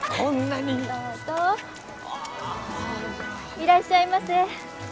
いらっしゃいませ。